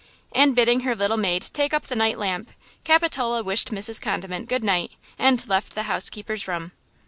And, bidding her little maid take up the night lamp, Capitola wished Mrs. Condiment good night and left the housekeeper's room.